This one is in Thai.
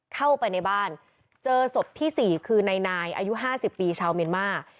เข้าไปในบ้านเจอศพที่๔คือนายอายุ๕๐ปีชาวเมียนมาร์